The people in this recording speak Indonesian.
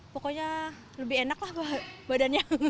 pokoknya lebih enak lah badannya